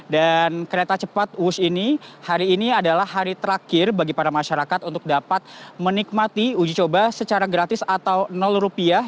dan kereta cepat wush ini hari ini adalah hari terakhir bagi para masyarakat untuk dapat menikmati uji coba secara gratis atau rupiah